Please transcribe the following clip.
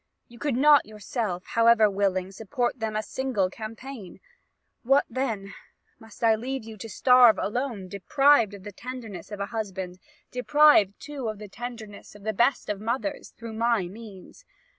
you could not yourself, however willing, support them a single campaign. What then; must I leave you to starve alone, deprived of the tenderness of a husband, deprived too of the tenderness of the best of mothers, through my means?